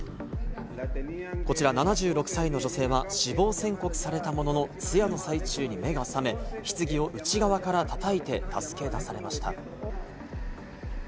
こちら７６歳の女性は、死亡宣告されたものの、通夜の最中に目が覚め、ひつぎを内側から叩いて助け出されました。